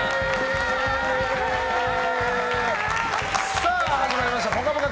さあ、始まりました「ぽかぽか」